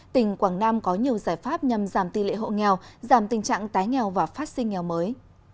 tỉnh quảng nam có nhiều giải pháp nhằm giảm tỷ lệ hộ nghèo giảm tình trạng tái nghèo và phát sinh nghèo mới